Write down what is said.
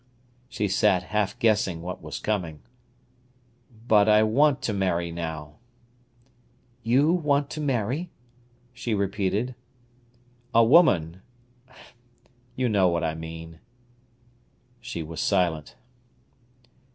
She sat half guessing what was coming. "But I want to marry now—" "You want to marry?" she repeated. "A woman—you know what I mean." She was silent.